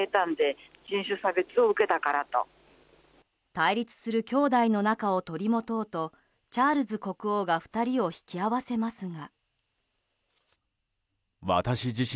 対立する兄弟の仲を取り持とうとチャールズ国王が２人を引き合わせますが。